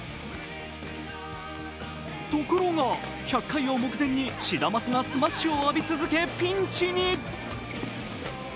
ところが１００回を目前にシダマツがスマッシュを浴び続け、ピンチに。